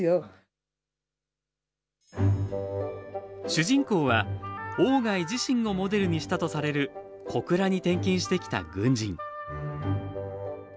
主人公は鴎外自身をモデルにしたとされる、小倉に転勤してきた軍人。